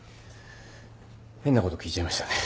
変なこと聞いちゃいましたね。